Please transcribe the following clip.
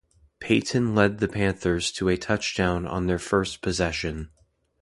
Payton led the Panthers to a touchdown on their first possession.